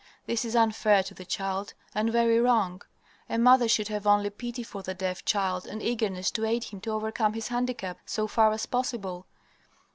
This is unfair to the child, and very wrong. A mother should have only pity for the deaf child and eagerness to aid him to overcome his handicap so far as possible.